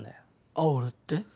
あおるって？